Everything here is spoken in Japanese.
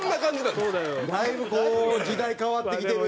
だいぶこう時代変わってきてるね。